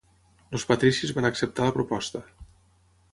Els patricis van acceptar la proposta.